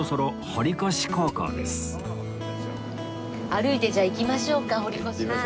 歩いてじゃあ行きましょうか堀越。